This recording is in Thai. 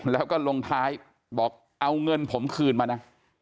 แล้วก็ลงท้ายบอกเอาเงินผมคืนมานะ